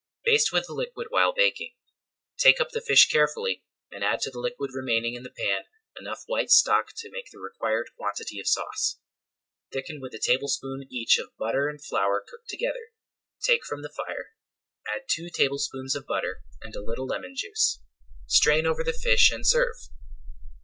Baste with the liquid while baking. Take up the fish carefully, and add to the liquid remaining in the pan enough white stock to make the required quantity of sauce. Thicken with a tablespoonful each of butter and flour cooked together, take from the fire, add two tablespoonfuls of butter and a little lemon juice. Strain over the fish and serve.